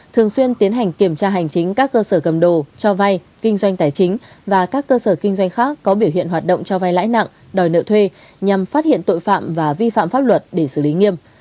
thường xuyên tiến hành kiểm tra hành chính các cơ sở cầm đồ cho vay kinh doanh tài chính và các cơ sở kinh doanh khác có biểu hiện hoạt động cho vay lãi nặng đòi nợ thuê nhằm phát hiện tội phạm và vi phạm pháp luật để xử lý nghiêm